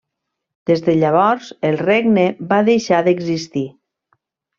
Des de llavors el regne va deixar d'existir.